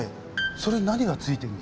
それ何がついてるんですか？